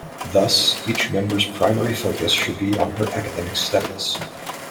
Thus, each member's primary focus should be on her academic studies.